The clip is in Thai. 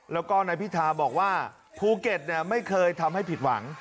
แล้วก็นายพิธาบอกว่าภูเก็ตไม่เคยทำให้ผิดหวัง